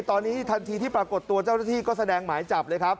ตอนนี้ทันทีที่ปรากฏตัวเจ้าหน้าที่ก็แสดงหมายจับเลยครับ